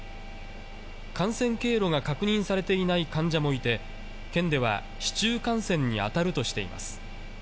感染経路が確認されていない患者もいて、県では市中感染に当たるとしています。